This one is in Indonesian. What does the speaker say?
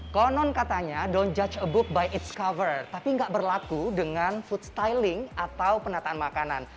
konon katanya don t judge a book by its cover tapi gak berlaku dengan food styling atau penataan makanan